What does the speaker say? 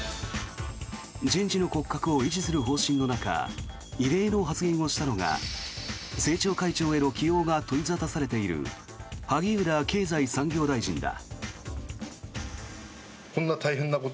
人事の骨格を維持する方針の中異例の発言をしたのが政調会長への起用が取り沙汰されている萩生田経済産業大臣だ。